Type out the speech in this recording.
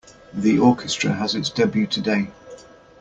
The orchestra has its debut today.